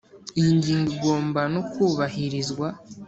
Iyi ngingo igomba no kubahirizwa